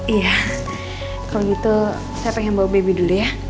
iya kalau gitu saya pengen bawa baby dulu ya